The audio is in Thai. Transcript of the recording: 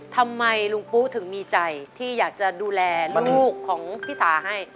ทำไมลุงปุ๊ถึงมีใจที่อยากจะดูแลลูกของพี่สาให้